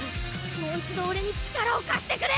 もう一度俺に力を貸してくれ！